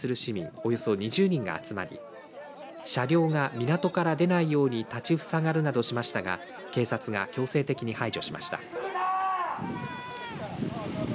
およそ２０人が集まり車両が港から出ないように立ちふさがるなどしましたが警察が強制的に排除しました。